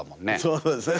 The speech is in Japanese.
そうですね。